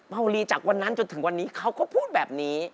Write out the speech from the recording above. เมารีจากวันนั้นจนถึงวันนี้เขาก็พูดแบบนี้